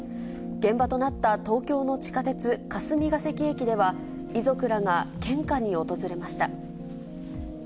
現場となった東京の地下鉄霞ケ関駅では、遺族らが献花に訪れました。